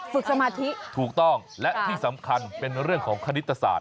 สมาธิถูกต้องและที่สำคัญเป็นเรื่องของคณิตศาสต